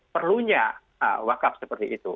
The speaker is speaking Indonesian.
perlunya wakaf seperti itu